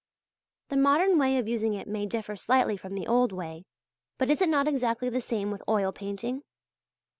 The modern way of using it may differ slightly from the old way; but is it not exactly the same with oil painting?